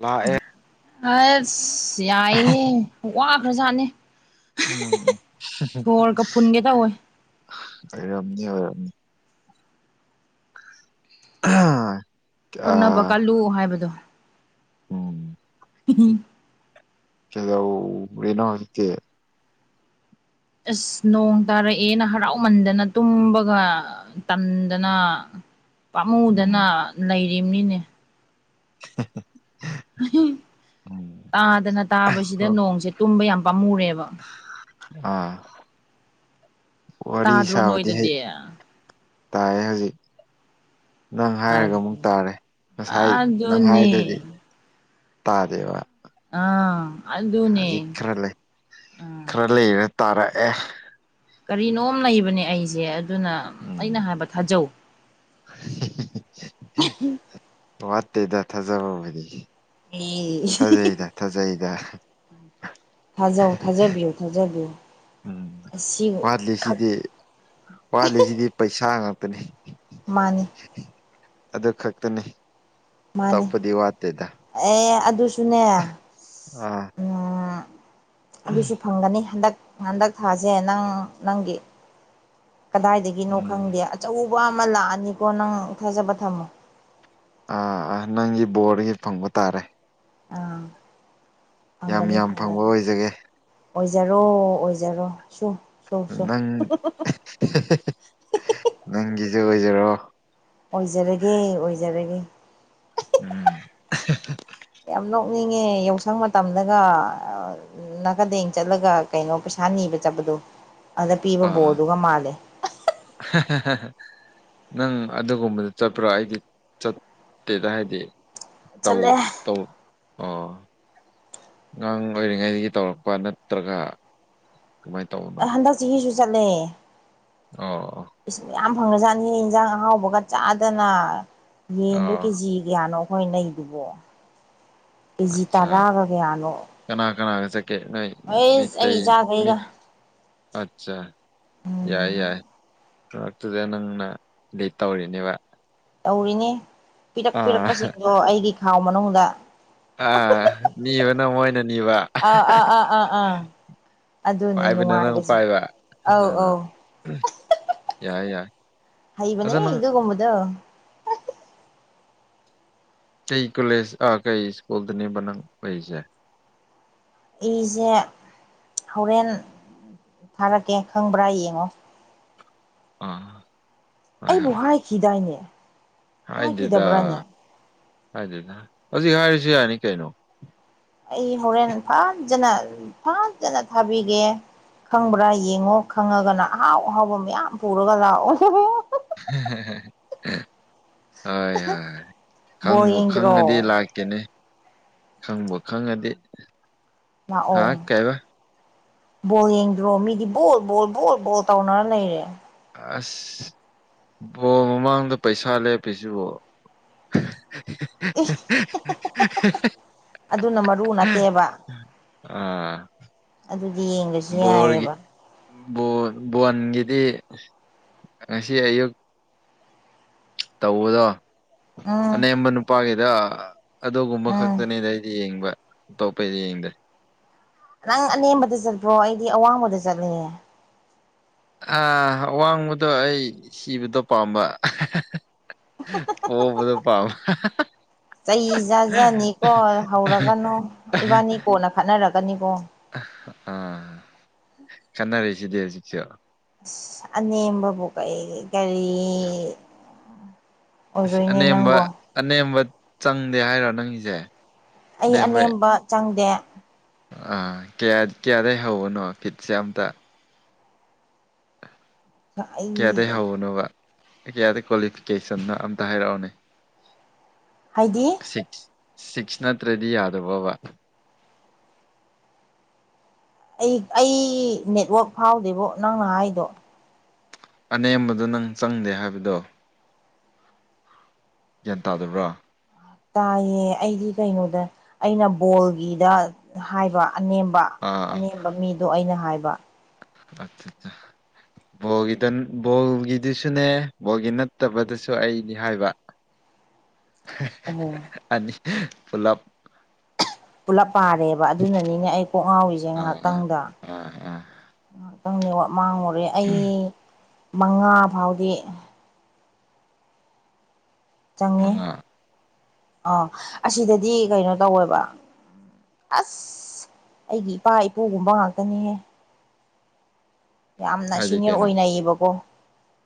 ꯂꯥꯛꯑꯦ ꯑꯁ ꯌꯥꯏꯍꯦ ꯋꯥꯕ꯭ꯔꯥꯖꯥꯠꯅꯤ ꯎꯝ ꯁꯣꯔꯒ ꯐꯨꯟꯒꯦ ꯇꯧꯋꯦ ꯔꯝꯅꯤ ꯑꯣꯏꯔꯝꯅꯤ ꯑ ꯍꯣꯠꯅꯕ ꯀꯜꯂꯨ ꯍꯥꯏꯕꯗꯣ ꯎꯝ ꯎꯝ [unintelligible] ꯑꯁ ꯅꯣꯡ ꯇꯥꯔꯛꯑꯦꯅ ꯍꯔꯥꯎꯃꯟꯗꯅ ꯇꯨꯝꯕꯒ ꯇꯟꯗꯅ ꯄꯥꯝꯃꯨꯗꯅ ꯎꯝ ꯂꯩꯔꯤꯕꯅꯤꯅꯦ [inaudible] ꯎꯝ ꯇꯥꯗꯅ ꯇꯥꯕꯁꯤꯗ ꯅꯣꯡꯁꯦ ꯇꯨꯝꯕ ꯌꯥꯝ ꯄꯥꯝꯃꯨꯔꯦꯕ ꯑꯥ ꯋꯥꯔꯤ ꯇꯥꯗ꯭ꯔꯣ ꯁꯥꯕꯗꯤ ꯍꯩ ꯅꯣꯏꯗꯗꯤ ꯇꯥꯏꯌꯦ ꯍꯧꯖꯤꯛ ꯅꯪ ꯍꯥꯏꯔꯒ ꯑꯗꯨ ꯑꯃꯨꯛ ꯇꯥꯔꯦ ꯉꯁꯥꯏ ꯅꯪ ꯍꯥꯏꯗꯗꯤ ꯑꯗꯨꯅꯦ ꯇꯥꯗꯦꯕ ꯑꯥ ꯑꯗꯨꯅꯦ ꯍꯧꯖꯤꯛ ꯈꯔ ꯂꯩ ꯑꯥ ꯈꯔ ꯂꯩꯔ ꯇꯥꯔꯛꯑꯦ ꯀꯔꯤꯅꯣꯝ ꯂꯩꯕꯅꯦ ꯑꯩꯁꯦ ꯑꯗꯨꯅ ꯑꯩꯅ ꯎꯝ ꯍꯥꯏꯕ ꯊꯥꯖꯧ ꯋꯥꯠꯇꯦꯗ ꯊꯥꯖꯕ ꯍꯥꯏꯗꯤ ꯑ ꯊꯥꯖꯩꯗ ꯊꯥꯖꯩꯗ ꯊꯥꯖ ꯊꯥꯖꯥꯕꯤꯌ ꯊꯥꯖꯥꯕꯤꯌ ꯎꯝ ꯋꯥꯠꯂꯤꯁꯤꯗꯤ ꯋꯥꯠꯂꯤꯁꯤꯗꯤ ꯄꯩꯁꯥ ꯉꯥꯛꯇꯅꯤ ꯃꯥꯅꯤ ꯑꯗꯨ ꯈꯛꯇꯅꯤ ꯃꯥꯅꯤ ꯇꯥꯛꯄꯗꯤ ꯋꯥꯠꯇꯦꯗ ꯑꯦ ꯑꯗꯨ ꯑꯗꯨ ꯁꯨꯟꯅꯌꯥ ꯑ ꯑꯗꯨꯁꯨ ꯐꯪꯒꯅꯤ ꯍꯟꯗꯛ ꯍꯟꯗꯛ ꯊꯥꯁꯦ ꯅꯪ ꯅꯪꯒꯤ ꯀꯗꯥꯏꯗꯒꯤꯅꯣ ꯎꯝ ꯈꯪꯗꯦ ꯑꯆꯧꯕ ꯑꯃ ꯂꯥꯛꯑꯅꯤꯀꯣ ꯅꯪ ꯊꯥꯖꯕ ꯊꯝꯃꯣ ꯑ ꯅꯪꯒꯤ ꯕꯣꯔꯗꯒꯤ ꯐꯪꯕ ꯇꯥꯔꯦ ꯑꯥ ꯌꯥꯝ ꯐꯪꯒꯅꯤ ꯌꯥꯝ ꯐꯪꯕ ꯐꯪꯒꯅꯤ ꯑꯣꯏꯖꯒꯦ ꯑꯣꯏꯖꯔꯣ ꯑꯣꯏꯖꯔꯣ ꯁꯨ ꯁꯨ ꯁꯨ ꯅꯪꯒꯤꯖꯨ ꯑꯣꯏꯖꯔꯣ ꯑꯣꯏꯖꯔꯒꯦ ꯑꯣꯏꯖꯔꯒꯦ ꯎꯝ [inaudible] ꯌꯥꯝ ꯅꯣꯛꯅꯤꯡꯉꯦ ꯌꯥꯎꯁꯪ ꯃꯇꯝꯗꯒ ꯅꯥꯀꯟꯗꯦꯡ ꯆꯠꯂꯒ ꯀꯩꯅꯣ ꯄꯩꯁꯥ ꯅꯤꯕ ꯆꯠꯄꯗꯣ ꯑꯗ ꯄꯤꯕ ꯑꯥ ꯕꯣꯔꯗꯨꯒ ꯃꯥꯜꯂꯦ [unintelligible] ꯅꯪ ꯑꯗꯨꯒꯨꯝꯕꯗ ꯆꯠꯄ꯭ꯔꯣ ꯑꯩꯗꯤ ꯆꯠꯇꯦꯗ ꯍꯥꯏꯗꯤ ꯇꯧ ꯆꯠꯂꯦ ꯇꯧ ꯑꯣ ꯅꯪ ꯑꯣꯏꯔꯤꯉꯩꯗꯒꯤ ꯇꯧꯔꯛꯄ ꯅꯠꯇ꯭ꯔꯒ ꯀꯃꯥꯏ ꯇꯧ ꯍꯟꯗꯛ ꯆꯍꯤꯁꯨ ꯆꯠꯂꯦ ꯑꯣ ꯏꯁ ꯃꯌꯥꯝ ꯐꯪꯒ꯭ꯔꯖꯥꯠꯅꯤ ꯏꯟꯖꯥꯡ ꯑꯍꯥꯎꯕꯒ ꯆꯥꯗꯅ ꯌꯦꯟꯗꯣ ꯑꯣ ꯀꯦꯖꯤ ꯀꯌꯥꯅꯣ ꯃꯣꯏ ꯂꯩꯗꯨꯕꯣ ꯀꯦꯖꯤ ꯑꯠꯆꯥ ꯇꯔꯥꯒ ꯀꯌꯥꯅꯣ ꯀꯅꯥ ꯀꯅꯥꯒ ꯆꯠꯀꯦ ꯅꯣꯏ ꯍꯩꯁ ꯑꯩ ꯃꯩꯇꯩ ꯏꯆꯥꯒꯩꯒ ꯃꯤꯠ ꯑꯠꯆꯥ ꯌꯥꯏ ꯌꯥꯏ ꯉꯍꯥꯛꯇꯨꯗ ꯅꯪꯅ ꯂꯤꯠ ꯇꯧꯔꯤꯅꯦꯕ ꯇꯧꯔꯤꯅꯦ ꯄꯤꯔꯛ ꯑꯥ ꯄꯤꯔꯛꯄꯁꯤꯡꯗꯣ ꯑꯩꯒꯤ ꯈꯥꯎ ꯃꯅꯨꯡꯗ ꯑ ꯅꯤꯕꯅ ꯃꯣꯏꯅ ꯅꯤꯕ ꯑꯥ ꯑꯥ ꯑꯥ ꯑꯥ ꯑꯥ ꯑꯗꯨꯅꯤ ꯄꯥꯏꯕꯅ ꯅꯪ ꯅꯨꯡꯉꯥꯏꯔꯤꯁꯦ ꯄꯥꯏꯕ ꯑꯎ ꯑꯥ ꯑꯎ ꯌꯥꯏ ꯌꯥꯏꯑ ꯍꯩꯕꯅꯦ ꯑꯗꯨꯒꯨꯝꯕꯗꯣ ꯀꯩ ꯀꯣꯂꯦꯖ ꯑꯥ ꯀꯩ ꯁ꯭ꯀꯨꯜꯗꯅꯦꯕ ꯅꯪ ꯂꯩꯁꯦ ꯑꯩꯁꯦ ꯍꯧꯔꯦꯟ ꯊꯥꯔꯛꯀꯦ ꯈꯪꯕ꯭ꯔꯥ ꯌꯦꯡꯉꯣ ꯑꯥ ꯍꯣꯏ ꯑꯩꯕꯨ ꯍꯣꯏ ꯍꯥꯏꯈꯤꯗꯥꯏꯅꯦ ꯍꯥꯏꯗꯦꯗ ꯍꯥꯏꯈꯤꯗꯕ꯭ꯔꯥꯅꯦ ꯍꯥꯏꯗꯦꯗ ꯍꯧꯖꯤꯛ ꯍꯥꯏꯔꯤꯁꯨ ꯌꯥꯅꯤ ꯀꯩꯅꯣ ꯑꯩ ꯍꯣꯔꯦꯟ ꯐꯥꯖꯅ ꯐꯥꯖꯅ ꯐꯥꯕꯤꯒꯦ ꯈꯪꯕ꯭ꯔꯥ ꯌꯦꯡꯉꯣ ꯈꯪꯉꯒꯅ ꯑꯍꯥꯎ ꯑꯍꯥꯎꯕ ꯃꯌꯥꯝ ꯄꯨꯔꯒ ꯂꯥꯛꯑꯣ [inaudible] ꯍꯣꯏ ꯍꯣꯏ ꯕꯣꯜ ꯈꯪꯕ ꯌꯦꯡꯗ꯭ꯔꯣ ꯈꯪꯉꯗꯤ ꯂꯥꯛ ꯀꯦꯅꯦ ꯈꯪꯕꯣ ꯈꯪꯉꯗꯤ ꯍꯥ ꯂꯥꯛꯑꯣ ꯀꯩꯕ ꯕꯣꯜ ꯌꯦꯡꯗ꯭ꯔꯣ ꯃꯤꯗꯤ ꯕꯣꯜ ꯕꯣꯜ ꯕꯣꯜ ꯕꯣꯜ ꯇꯧꯅꯔ ꯂꯩꯔꯦ ꯑꯁ ꯕꯣ ꯃꯃꯥꯡꯗ ꯄꯩꯁꯥ ꯂꯦꯞꯄꯤꯁꯤꯕꯣ ꯑꯗꯨꯅ ꯃꯔꯨ ꯅꯠꯇꯦꯕ ꯑꯥ ꯑꯗꯨꯗꯤ ꯌꯦꯡꯗ꯭ꯔꯁꯨ ꯕꯣꯜꯒꯤ ꯌꯥꯏꯕ ꯕꯣꯟꯒꯤꯗꯤ ꯉꯁꯤ ꯑꯌꯨꯛ ꯇꯧꯕꯗꯣ ꯎꯝ ꯑꯅꯦꯝꯕ ꯅꯨꯄꯥꯒꯤꯗ ꯑꯗꯨꯒꯨꯝꯕ ꯎꯝ ꯈꯛꯇꯅꯤꯗ ꯑꯩꯗꯤ ꯌꯦꯡꯕ ꯑꯇꯣꯞꯄꯩꯗꯤ ꯌꯦꯡꯗꯦ ꯅꯪ ꯑꯅꯦꯝꯕꯗ ꯆꯠꯄ꯭ꯔꯣ ꯑꯩꯗꯤ ꯑꯋꯥꯡꯕꯗ ꯆꯠꯂꯦ ꯑꯥ ꯋꯥꯡꯕꯗꯣ ꯑꯩ ꯁꯤꯕꯗꯣ ꯄꯥꯝꯕ ꯑꯣꯕꯗꯨ ꯄꯥꯝꯕ ꯆꯩ ꯆꯥꯖꯅꯤꯀꯣ ꯍꯧꯔꯒꯅꯨ ꯏꯕꯥꯅꯤ ꯀꯣꯟꯅ ꯈꯠꯅꯔꯒꯅꯤꯀꯣ ꯑꯥ ꯈꯟꯅꯔꯁꯤꯗꯤ ꯍꯧꯖꯤꯛꯁꯨ ꯑꯁ ꯑꯅꯦꯝꯕꯕꯨ ꯀꯩ ꯀꯔꯤ ꯑꯣꯏꯔꯣꯏꯅꯦ ꯑꯅꯦꯝꯕ ꯅꯪꯕꯣ ꯑꯅꯦꯝꯕ ꯆꯪꯗꯦ ꯍꯥꯏꯔꯣ ꯅꯪꯒꯤꯁꯦ ꯑꯩ ꯑꯅꯦꯝꯕ ꯆꯪꯗꯦ ꯑꯥ ꯀꯌꯥ ꯀꯌꯥꯗꯩ ꯍꯧꯕꯅꯣ ꯀꯤꯠꯁꯦ ꯑꯝꯇ ꯑꯩ ꯀꯌꯥꯗꯒꯤ ꯍꯧꯕꯅꯣꯕ ꯀꯌꯥꯗꯩ ꯀ꯭ꯋꯥꯂꯤꯐꯤꯀꯦꯁꯟꯅꯣ ꯑꯝꯇ ꯍꯥꯏꯔꯛꯑꯣꯅꯦ ꯍꯥꯏꯗꯤ ꯁꯤꯛꯁ ꯁꯤꯛꯁ ꯅꯠꯇ꯭ꯔꯗꯤ ꯌꯥꯗꯕꯕ ꯑꯩ ꯑꯩ ꯅꯦꯠꯋꯥꯛ ꯐꯥꯎꯗꯦꯕꯣ ꯅꯪ ꯅ ꯍꯥꯏꯗꯣ ꯑꯅꯦꯝꯕꯗꯣ ꯅꯪ ꯆꯪꯗꯦ ꯍꯥꯏꯕꯗꯣ ꯒ꯭ꯌꯥꯟ ꯇꯥꯗꯕ꯭ꯔꯣ ꯇꯥꯏꯌꯦ ꯑꯩꯗꯤ ꯀꯩꯅꯣꯗ ꯑꯩꯅ ꯕꯣꯜꯒꯤꯗ ꯍꯥꯏꯕ ꯑꯅꯦꯝꯕ ꯑꯥ ꯑꯅꯦꯝꯕ ꯃꯤꯗꯣ ꯑꯩꯅ ꯍꯥꯏꯕ ꯑꯆꯠ ꯆꯥ ꯕꯣꯜꯒꯤꯗꯨ ꯕꯣꯜꯒꯤꯗꯨꯁꯨꯅꯦ ꯕꯣꯜꯒꯤ ꯅꯠꯇꯕꯗꯁꯨ ꯑꯩꯅꯤ ꯍꯥꯏꯕ [inaudible] ꯍꯦ ꯎꯍꯨꯝ ꯑꯗꯤ ꯄꯨꯂꯞ ꯄꯨꯜꯂꯞ ꯄꯥꯔꯦꯕ ꯑꯗꯨꯅꯅꯤꯅꯦ ꯑꯩ ꯀꯣꯛ ꯉꯥꯎꯔꯤꯖꯦ ꯑꯥ ꯑꯥ ꯉꯥꯏꯍꯥꯛꯇꯪꯗ ꯑꯥ ꯑꯥ ꯉꯥꯍꯥꯛꯇꯪ ꯅꯦꯠꯋꯥꯛ ꯃꯥꯡꯉꯨꯔꯦ ꯑꯩ ꯃꯉꯥ ꯐꯥꯎꯗꯤ ꯆꯪꯉꯦ ꯃꯉꯥ ꯑ ꯑꯁꯤꯗꯗꯤ ꯀꯩꯅꯣ ꯇꯧꯋꯦꯕ ꯑꯁ ꯑꯩꯒꯤ ꯏꯄꯥ ꯏꯄꯨꯒꯨꯝꯕ ꯉꯥꯛꯇꯅꯤꯅꯦ ꯌꯥꯝꯅ ꯍꯥꯏꯗꯤ ꯁꯤꯅꯤꯌꯔ ꯀꯩꯅꯣ ꯑꯣꯏꯅꯩꯕꯀꯣ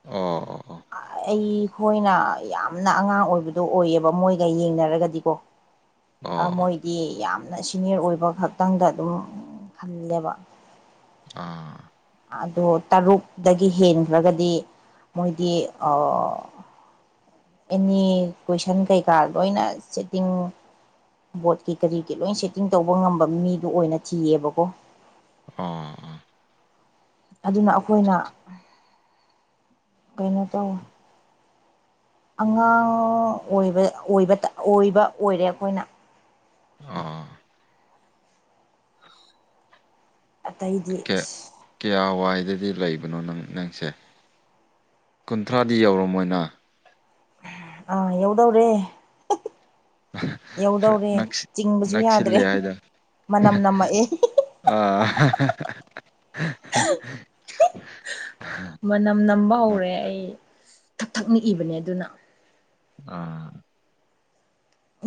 ꯑꯣ ꯑꯣ ꯑ ꯑꯩꯈꯣꯏꯅ ꯌꯥꯝꯅ ꯑꯉꯥꯡ ꯑꯣꯏꯕꯗꯣ ꯑꯣꯏꯌꯦꯕ ꯃꯣꯏꯒ ꯌꯦꯡꯅꯔꯒꯗꯤꯀꯣ ꯑꯣ ꯃꯣꯏꯗꯤ ꯌꯥꯝꯅ ꯁꯤꯅꯤꯌꯔ ꯑꯣꯏꯕ ꯈꯛꯇꯪꯗ ꯑꯗꯨꯝ ꯈꯜꯂꯦꯕ ꯑꯥ ꯑꯗꯣ ꯇꯔꯨꯛꯇꯒꯤ ꯍꯦꯟꯈ꯭ꯔꯒꯗꯤ ꯃꯣꯏꯗꯤ ꯑ ꯑꯦꯅꯤ ꯀꯣꯏꯁꯟ ꯀꯩꯀꯥ ꯂꯣꯏꯅ ꯁꯦꯠꯇꯤꯡ ꯕꯣꯠꯀꯤ ꯀꯔꯤꯒꯤ ꯂꯣꯏ ꯆꯦꯀꯤꯡ ꯇꯧꯕ ꯉꯝꯕ ꯃꯤꯗꯨ ꯑꯣꯏꯅ ꯊꯤꯌꯦꯕꯀꯣ ꯑꯣ ꯑꯗꯨꯅ ꯑꯩꯈꯣꯏꯅ ꯀꯩꯅꯣ ꯇꯧꯋ ꯑꯉꯥꯡ ꯑꯣꯏꯕ ꯑꯣꯏꯕꯇ ꯑꯣꯏꯕ ꯑꯣꯏꯔꯦ ꯑꯩꯈꯣꯏꯅ ꯑꯝ [inaudible] ꯑꯇꯩꯗꯤ ꯀꯌꯥ ꯏꯁ ꯀꯌꯥ ꯋꯥꯏꯗꯗꯤ ꯂꯩꯕꯅꯣ ꯅꯪ ꯅꯪꯁꯦ ꯀꯨꯟꯊ꯭ꯔꯥꯗꯤ ꯌꯧꯔꯝꯃꯣꯏꯅꯥ ꯑꯥ ꯌꯎꯗꯧꯔꯦ ꯈꯔ ꯌꯧꯗꯧꯔꯦ ꯅꯛꯁꯤ ꯆꯤꯡꯕꯁꯨ ꯌꯥꯗ꯭ꯔꯦ ꯅꯛꯁꯤꯜꯂꯦ ꯍꯥꯏꯗ ꯃꯅꯝ ꯅꯝꯃꯛꯑꯦ ꯑꯥ [unintelligible] ꯃꯅꯝ ꯅꯝꯕ ꯍꯧꯔꯦ ꯑꯩ ꯊꯛ ꯊꯛ ꯅꯤꯛꯏꯕꯅꯦ ꯑꯗꯨꯅ ꯑꯥ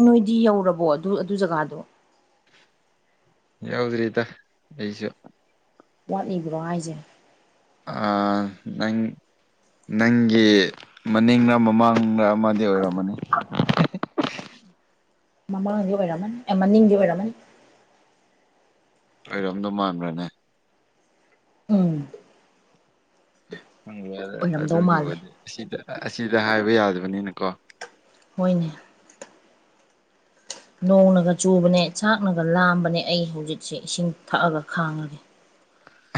ꯅꯣꯏꯗꯤ ꯌꯧꯔꯕꯣ ꯑꯗꯨ ꯑꯗꯨ ꯖꯒꯥꯗꯣ ꯌꯥꯎꯗ꯭ꯔꯤꯗ ꯑꯩꯁꯨ ꯋꯥꯠꯂꯤꯕ꯭ꯔꯣ ꯍꯥꯏꯖꯦ ꯑꯥ ꯅꯪ ꯅꯪꯒꯤ ꯃꯅꯤꯡꯂ ꯃꯃꯥꯡꯂ ꯑꯃꯗꯤ ꯑꯣꯏꯔꯃꯅꯤ ꯃꯃꯥꯡꯒꯤ ꯑꯣꯏꯔꯃꯟ ꯑꯦ ꯃꯅꯤꯡꯒꯤ ꯑꯣꯏꯔꯝꯃꯟ ꯑꯩꯔꯣꯝꯗꯣ ꯃꯥꯟꯕ꯭ꯔꯅꯦ ꯑꯝ ꯍꯪ ꯑꯣꯏꯔꯝꯗꯧ ꯃꯥꯜꯂꯦ ꯑꯗꯨꯒꯤꯕꯨꯗꯤ ꯑꯁꯤꯗ ꯑꯁꯤꯗ ꯍꯥꯏꯕ ꯌꯥꯗꯕꯅꯤꯅꯀꯣ ꯃꯣꯏꯅꯤ ꯅꯣꯡꯅꯒ ꯆꯨꯕꯅꯦ ꯆꯥꯛꯅꯒ ꯂꯥꯝꯕꯅꯦ ꯑꯩ ꯍꯧꯖꯤꯛꯁꯦ ꯏꯁꯤꯡ ꯊꯛꯑꯒ ꯈꯥꯡꯉꯒꯦ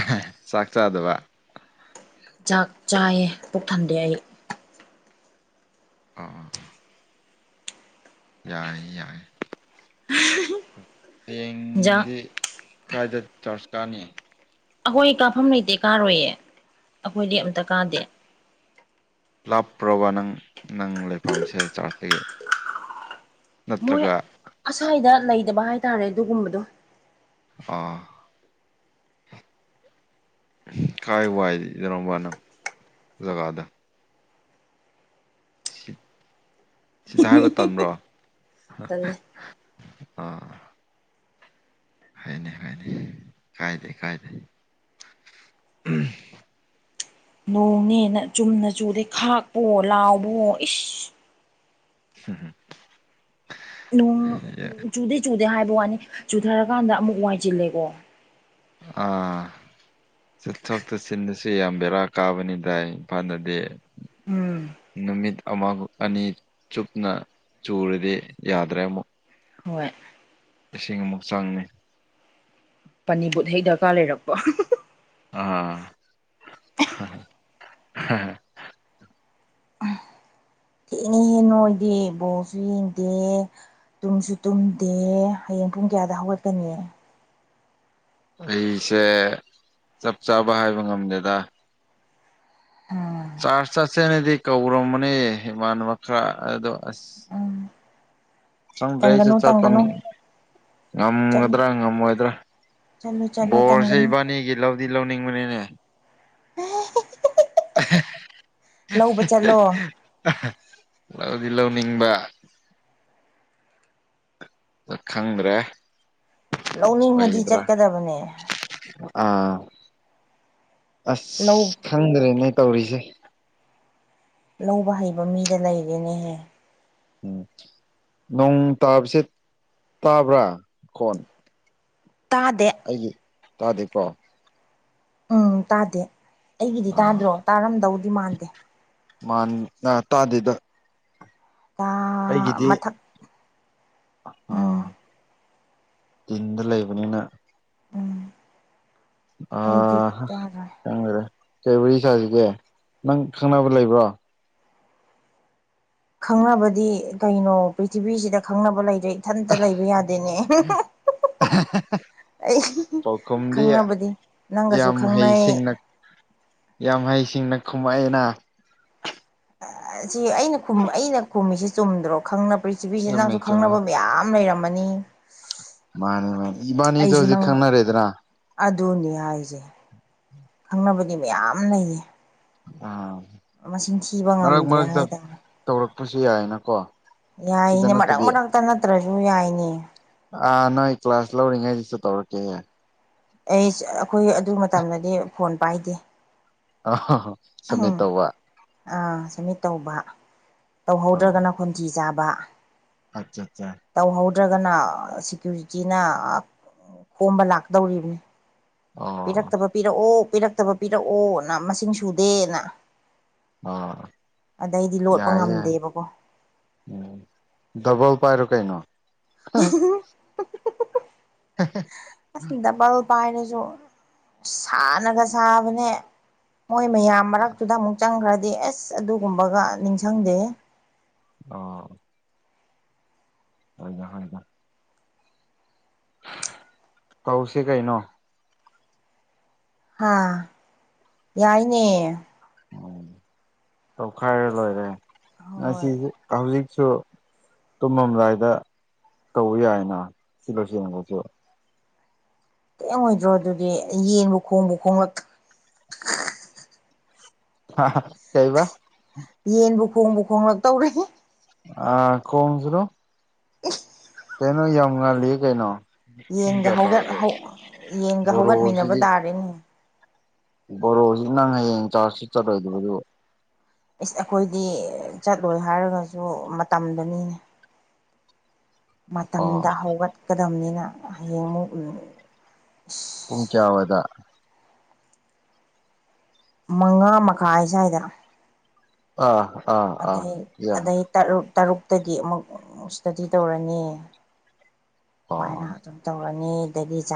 ꯍꯦ ꯆꯥꯛ ꯆꯥꯗꯕ ꯆꯥꯛ ꯆꯥꯏꯌꯦ ꯄꯨꯛ ꯊꯟꯗꯦ ꯑꯩ ꯑꯥ ꯑ ꯌꯥꯏ ꯌꯥꯏ ꯇꯦꯡ ꯍꯤꯟꯖꯥꯡ ꯁꯤ ꯀꯥꯏꯗ ꯆꯥꯔꯖ ꯀꯥꯅꯤ ꯑꯩꯈꯣꯏ ꯀꯥꯐꯝ ꯂꯩꯇꯦ ꯀꯥꯔꯣꯏꯌꯦ ꯑꯩꯈꯣꯏꯗꯤ ꯑꯃꯝꯇ ꯀꯥꯗꯦ ꯂꯥꯞꯄ꯭ꯔꯣꯕ ꯅꯪ ꯅꯪ ꯂꯩꯐꯝꯁꯦ ꯆꯥꯔꯇꯒꯤ ꯃꯣꯏ ꯑꯁꯥꯏꯗ ꯂꯩꯗꯕ ꯍꯥꯏꯇꯥꯔꯦ ꯑꯗꯨꯒꯨꯝꯕꯗꯣ ꯑꯥ ꯀꯥꯏꯋꯥꯏꯗꯅꯣꯕ ꯅꯪ ꯖꯒꯥꯗꯣ ꯁꯤ ꯁꯤꯗ ꯍꯥꯏꯕ ꯇꯟꯕ꯭ꯔꯣ ꯇꯜꯂꯦ ꯑ ꯍꯥꯏꯅꯤ ꯍꯥꯏꯅꯤ ꯀꯥꯏꯗꯦ ꯀꯥꯏꯗꯦ ꯅꯣꯡꯅꯦꯅ ꯆꯨꯝꯅ ꯆꯨꯗꯦ ꯈꯥꯛꯄꯣ ꯂꯥꯎꯕꯣ ꯏꯁ [inaudible] ꯅꯣꯡ ꯆꯨꯗꯦ ꯆꯨꯗꯦ ꯍꯥꯏꯕ ꯋꯥꯅꯤ ꯆꯨꯊꯔꯀꯥꯟꯗ ꯑꯃꯨꯛ ꯋꯥꯏꯁꯤꯜꯂꯦꯀꯣ ꯑꯥ ꯆꯊꯣꯛꯇꯠꯁꯤꯟꯗꯁꯨ ꯌꯥꯝ ꯕꯦꯔꯥ ꯀꯥꯕꯅꯤ ꯗꯏ ꯏꯝꯐꯥꯜꯗꯗꯤ ꯎꯝ ꯅꯨꯃꯤꯠ ꯑꯃꯒ ꯑꯅꯤ ꯆꯨꯞꯅ ꯆꯨꯔꯗꯤ ꯌꯥꯗ꯭ꯔꯦ ꯑꯃꯨꯛ ꯍꯣꯏ ꯂꯤꯁꯤꯡ ꯑꯃꯨꯛ ꯆꯥꯡꯅꯤ ꯄꯅꯤꯕꯨꯠ ꯍꯩ ꯗꯔꯀꯥꯔ ꯂꯩꯔꯛꯄ ꯑꯥ ꯊꯦꯡꯉꯍꯦ ꯅꯣꯏꯗꯤ ꯕꯣꯁꯨ ꯌꯦꯡꯗꯦ ꯇꯨꯝꯁꯨ ꯇꯨꯝꯗꯦ ꯍꯌꯦꯡ ꯄꯨꯡ ꯀꯌꯥꯗ ꯍꯧꯒꯠꯀꯅꯤ ꯑꯩꯁꯦ ꯆꯞ ꯆꯥꯕ ꯍꯥꯏꯕ ꯉꯝꯗꯦꯗ ꯑꯝ ꯆꯥꯔꯖ ꯆꯠꯁꯦꯅꯗꯤ ꯀꯧꯔꯝꯕꯅꯦ ꯏꯃꯥꯟꯅꯕ ꯈꯔ ꯑꯗꯣ ꯑꯁ ꯎꯝ ꯆꯪꯗ꯭ꯔꯦ ꯑꯩꯁꯨ ꯇꯟꯒꯅꯨ ꯆꯠꯄ ꯇꯟꯒꯅꯨ ꯆꯠꯂꯨ ꯉꯝꯒꯗ꯭ꯔꯥ ꯉꯝꯃꯣꯏꯗ꯭ꯔꯥ ꯆꯠꯂꯨ ꯆꯠꯂꯨ ꯕꯣꯔꯁꯦ ꯇꯟꯒꯅꯨ ꯏꯕꯥꯅꯤꯒꯤ ꯂꯧꯗꯤ ꯂꯧꯅꯤꯡꯕꯅꯤꯅꯦ [inaudible] ꯂꯧꯕ ꯆꯠꯂꯣ ꯂꯧꯗꯤ ꯂꯧꯅꯤꯡꯕ ꯈꯪꯗ꯭ꯔꯦ ꯂꯧꯅꯤꯡꯉꯗꯤ ꯑꯣꯏꯒꯗ꯭ꯔꯥ ꯆꯠꯀꯗꯕꯅꯦ ꯑꯥ ꯑꯁ ꯂꯧ ꯈꯪꯗ꯭ꯔꯦꯅꯦ ꯇꯧꯔꯤꯁꯦ ꯂꯧꯕ ꯍꯩꯕ ꯃꯤꯗ ꯂꯩꯔꯦꯅꯦꯍꯦ ꯎꯝ ꯅꯣꯡ ꯇꯥꯕꯁꯦ ꯇꯥꯕ꯭ꯔꯥ ꯀꯣꯟ ꯇꯥꯗꯦ ꯑꯩꯒꯤ ꯇꯥꯗꯦꯀꯣ ꯎꯝ ꯇꯥꯗꯦ ꯑꯩꯒꯤꯗꯤ ꯑꯥ ꯇꯥꯗ꯭ꯔꯣ ꯇꯥꯔꯝꯗꯧꯗꯤ ꯃꯥꯟꯗꯦ ꯃꯥ ꯅꯥ ꯇꯥꯗꯦꯗ ꯇꯥ ꯑꯩꯒꯤꯗꯤ ꯃꯊꯛ ꯑꯥ ꯎꯝ ꯇꯤꯟꯗ ꯂꯩꯕꯅꯤꯅ ꯎꯝ ꯪꯑ ꯑꯩꯗꯤ ꯍꯥ ꯇꯥꯔꯣꯏ ꯈꯪꯗꯦꯗ ꯀꯩ ꯔꯤ ꯁꯥꯁꯤꯒꯦ ꯅꯪ ꯈꯪꯅꯕ ꯂꯩꯕ꯭ꯔꯣ ꯈꯪꯅꯕꯗꯤ ꯀꯩꯅꯣ ꯄ꯭ꯔꯤꯊꯤꯕꯤꯁꯤꯗ ꯈꯪꯅꯕ ꯂꯩꯔꯦ ꯏꯊꯟꯇ ꯂꯩꯕ ꯌꯥꯗꯦꯅꯦ ꯑꯩ ꯄꯥꯎꯈꯨꯝꯗꯤ ꯈꯪꯅꯕꯗꯤ ꯅꯪꯒꯁꯨ ꯌꯥꯝ ꯈꯪꯅꯩ ꯍꯩꯁꯤꯡꯅ ꯌꯥꯝ ꯍꯩꯁꯤꯡꯅ ꯈꯨꯃꯛꯑꯦꯅ ꯁꯤ ꯑꯩꯅ ꯑꯩꯅ ꯈꯨꯝꯃꯤꯁꯤ ꯆꯨꯝꯗ꯭ꯔꯣ ꯈꯪꯅꯕ ꯄ꯭ꯔꯤꯊꯤꯕꯤꯁꯤ ꯆꯨꯝꯃꯦ ꯅꯪꯁꯨ ꯆꯨꯝꯃꯦ ꯈꯪꯅꯕ ꯃꯌꯥꯝ ꯂꯩꯔꯝꯃꯅꯤ ꯃꯥꯅꯦ ꯃꯥꯅꯦ ꯏꯕꯅꯤꯖ ꯍꯧꯖꯤꯛ ꯈꯪꯅꯔꯦꯗ꯭ꯔꯥ ꯑꯗꯨꯅꯦ ꯍꯥꯏꯁꯦ ꯈꯪꯅꯕꯗꯤ ꯃꯌꯥꯝ ꯂꯩꯌꯦ ꯑꯥ ꯃꯁꯤꯡ ꯊꯤꯕ ꯃꯔꯛ ꯉꯝꯗ꯭ꯔꯦ ꯃꯔꯛꯇ ꯍꯥꯏꯗ ꯇꯧꯔꯛꯄꯁꯨ ꯌꯥꯏꯅꯀꯣ ꯁꯤꯗ ꯌꯥꯏꯅꯦ ꯃꯔꯛ ꯅꯠꯇꯕꯤ ꯃꯔꯛꯇ ꯅꯠꯇ꯭ꯔꯁꯨ ꯌꯥꯏꯅꯦ ꯑꯥ ꯅꯣꯏ ꯀ꯭ꯂꯥꯁ ꯂꯧꯔꯤꯉꯩꯁꯤꯁꯨ ꯇꯧꯔꯛꯀꯦꯍꯦ ꯑꯩ ꯑꯩꯈꯣꯏ ꯑꯗꯨ ꯃꯇꯝꯗꯗꯤ ꯐꯣꯟ ꯄꯥꯏꯗꯦ ꯑ ꯍ ꯁꯃꯤꯇ ꯇꯧꯕ ꯑꯥ ꯁꯝꯃꯤꯠ ꯇꯧꯕ ꯇꯧꯍꯧꯗ꯭ꯔꯒꯅ ꯈꯣꯟꯊꯤ ꯆꯥꯕ ꯑꯆꯥ ꯑꯆꯥ ꯇꯧꯍꯧꯗ꯭ꯔꯒꯅ ꯁꯤꯀ꯭ꯌꯨꯔꯤꯇꯤꯅ ꯈꯣꯝꯕ ꯂꯥꯛꯗꯧꯔꯤꯕꯅꯤ ꯑꯣ ꯄꯤꯔꯛꯇꯕ ꯄꯤꯔꯛꯑꯣ ꯄꯤꯔꯛꯇꯕ ꯄꯤꯔꯛꯑꯣꯅ ꯃꯁꯤꯡ ꯁꯨꯗꯦꯅ ꯑꯣ ꯑꯗꯩꯗꯤ ꯂꯣꯠꯄ ꯉꯝꯗꯦꯕꯀꯣ ꯎꯝ ꯗꯕꯜ ꯄꯥꯏꯔꯣ ꯀꯩꯅꯣ [unintelligible] [unintelligible] ꯑꯁ ꯗꯕꯜ ꯄꯥꯏꯔꯁꯨ ꯁꯥꯅꯒ ꯁꯥꯕꯅꯦ ꯃꯣꯏ ꯃꯌꯥꯝ ꯃꯔꯛꯇꯨꯗ ꯑꯃꯨꯛ ꯆꯪꯈ꯭ꯔꯗꯤ ꯑꯦꯁ ꯑꯗꯨꯒꯨꯝꯕꯒ ꯅꯤꯡꯁꯪꯗꯦꯍꯦ ꯑꯣ [unintelligible] ꯀꯧꯁꯤ ꯀꯥꯏꯅꯣ ꯍꯥꯥ ꯌꯥꯏꯅꯦ ꯇꯧꯈꯥꯏꯔꯦ ꯂꯣꯏꯔꯦ ꯉꯁꯤ ꯍꯣꯏ ꯍꯧꯖꯤꯛꯁꯨ ꯇꯨꯝꯃꯝꯗꯥꯏꯗ ꯇꯧꯕ ꯌꯥꯏꯅ ꯁꯤ ꯂꯣꯏꯁꯤꯁꯤꯡꯕꯁꯨ ꯊꯦꯡ ꯑꯣꯏꯗ꯭ꯔꯣ ꯑꯗꯨꯗꯤ ꯌꯦꯟꯕꯨ ꯈꯣꯡꯕꯨ ꯈꯣꯡꯂꯛ ꯍꯥ ꯀꯩꯕꯥ ꯌꯦꯟꯕꯨ ꯈꯣꯡꯕꯨ ꯈꯣꯡꯂꯛꯇꯧꯔꯦ ꯑ ꯈꯣꯡꯖꯅꯨ ꯀꯩꯅꯣ ꯌꯥꯝ ꯉꯜꯂꯤ ꯀꯩꯅꯣ ꯌꯦꯟꯒ ꯀꯌꯥ ꯍꯧꯒꯠ ꯇꯧꯔꯒꯦ ꯕꯣꯔꯣꯁꯤꯗꯤ ꯐꯔꯦꯅꯤ [inaudible] ꯏꯁ ꯑꯩꯈꯣꯏꯗꯤ ꯆꯠꯂꯣꯏ ꯍꯥꯏꯔꯒꯁꯨ ꯃꯇꯝꯗꯅꯤꯅꯦ [inaudible] ꯑꯣ ꯃꯇꯝꯗ ꯍꯧꯒꯠꯀꯗꯕꯅꯤꯅ ꯍꯌꯦꯡ ꯑꯃꯨꯛ ꯏꯁ ꯄꯨꯡ ꯀꯌꯥ ꯋꯥꯏꯗ ꯃꯉꯥ ꯃꯈꯥꯏ ꯁ꯭ꯋꯥꯏꯗꯅ ꯑ ꯑꯥ ꯑꯥ ꯌꯥ ꯨꯇꯔꯨꯛꯇꯒꯤ ꯑꯃꯨꯛ ꯏꯁ꯭ꯇꯗꯤ ꯇꯧꯔꯅꯤ ꯑꯣ ꯁꯨꯃꯥꯏꯅ ꯑꯗꯨ ꯇꯧꯔꯅꯤ ꯑꯗꯒꯤ ꯆ